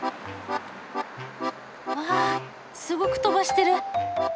わあすごく飛ばしてる。